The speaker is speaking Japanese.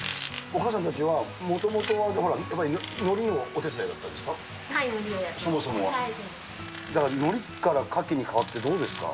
お母さんたちは、もともとはノリのお手伝いだったんですか？